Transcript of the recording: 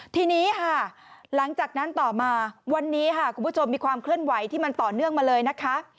ทีนี้ค่ะหลังจากนั้นต่อมาวันนี้ค่ะคุณผู้ชมมีความเคลื่อนไหวที่มันต่อเนื่องมาเลยนะคะ